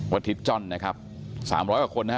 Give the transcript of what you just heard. ทิศจ้อนนะครับ๓๐๐กว่าคนนะฮะ